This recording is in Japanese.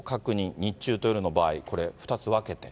日中と夜の場合、これ、２つ分けて。